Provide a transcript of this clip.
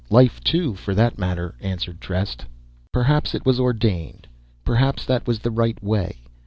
Life, too, for that matter," answered Trest. "Perhaps it was ordained; perhaps that was the right way.